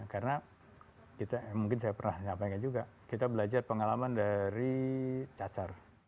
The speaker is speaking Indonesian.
karena mungkin saya pernah menyampaikan juga kita belajar pengalaman dari cacar